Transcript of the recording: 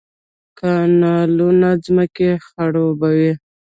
کانالونه ځمکې خړوبوي